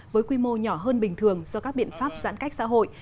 với quy mô nhỏ hơn bình thường do các biện pháp giãn cách xã hội